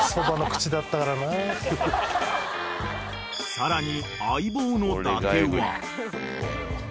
［さらに］